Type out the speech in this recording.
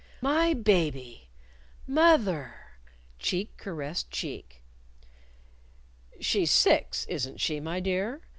"My baby!" "Moth er!" Cheek caressed cheek. "She's six, isn't she, my dear?"